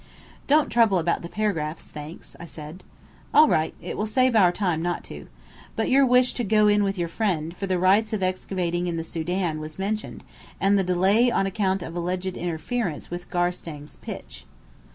"Don't trouble about the paragraphs, thanks," I said. "All right. It will save our time not to. But your wish to go in with your friend, for the rights of excavating in the Sudan, was mentioned, and the delay on account of alleged interference with Garstang's pitch."